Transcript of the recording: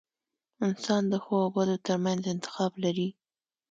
• انسان د ښو او بدو ترمنځ انتخاب لري.